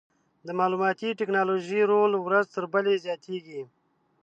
د معلوماتي ټکنالوژۍ رول ورځ تر بلې زیاتېږي.